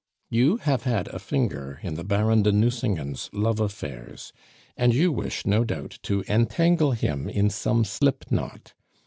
"You have had a finger in the Baron de Nucingen's love affairs, and you wish, no doubt, to entangle him in some slip knot.